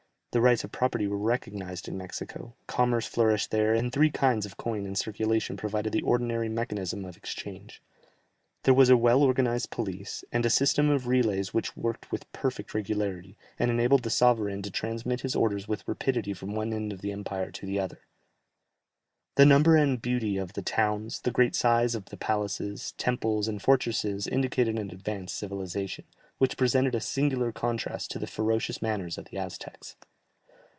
The rights of property were recognized in Mexico, commerce flourished there, and three kinds of coin in circulation provided the ordinary mechanism of exchange. There was a well organized police, and a system of relays which worked with perfect regularity, and enabled the sovereign to transmit his orders with rapidity from one end of the empire to the other. The number and beauty of the towns, the great size of the palaces, temples, and fortresses indicated an advanced civilization, which presented a singular contrast to the ferocious manners of the Aztecs.